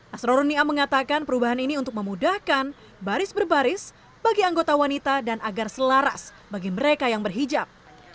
asrorunia mengatakan perubahan ini untuk memudahkan baris berbaris bagi anggota wanita dan agar selaras bagi mereka yang berhijab